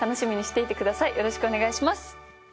よろしくお願いします。